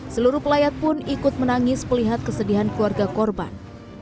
seluruh pelayat pun ikut menangis melihat kesedihan keluarga korban